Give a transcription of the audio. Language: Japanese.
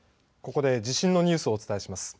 ここで地震のニュースをお伝えします。